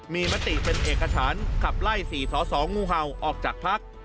มีมัตติเป็นเอกชั้นขับไล่สี่สอสองูเห่าออกจากพัก